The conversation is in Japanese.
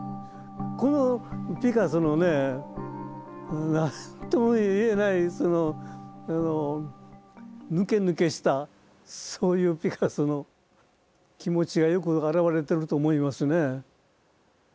このピカソのね何とも言えないそのぬけぬけしたそういうピカソの気持ちがよく表れてると思いますね。